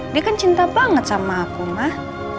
dia kan cinta banget sama aku mah